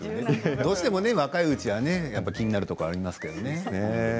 どうしても若いうちは気になるところがありますけどね。